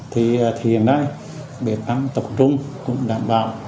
thì hiện nay bếp ăn tập trung cũng đảm bảo